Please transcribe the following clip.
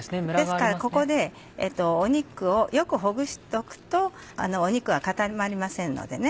ですからここで肉をよくほぐしておくと肉が固まりませんのでね。